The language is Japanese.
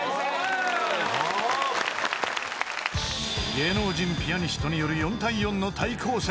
［芸能人ピアニストによる４対４の対抗戦］